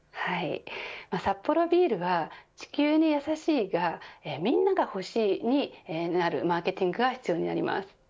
サッポロビールは地球にやさしいがみんなが欲しいになるマーケティングが必要になります。